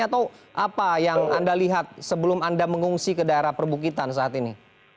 atau apa yang anda lihat sebelum anda mengungsi ke daerah perbukitan saat ini